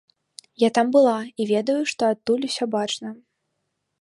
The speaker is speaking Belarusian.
Я там была і ведаю, што адтуль усё бачна.